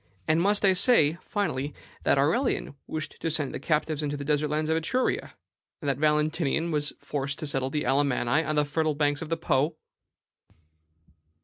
And must I say, finally, that Aurelian wished to send the captives into the desert lands of Etruria, and that Valentinian was forced to settle the Alamanni on the fertile banks of the Po?"